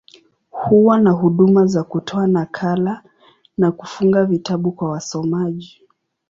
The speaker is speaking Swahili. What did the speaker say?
Huwa na huduma za kutoa nakala, na kufunga vitabu kwa wasomaji.